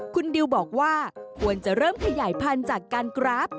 คุณดิวบอกว่าควรจะเริ่มขยายพันธุ์จากการกราฟ